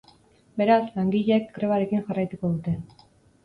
Beraz, langileek grebarekin jarraituko dute.